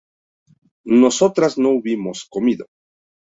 nosotras no hubimos comido